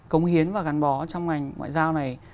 cống hiến và gắn bó trong ngành ngoại giao này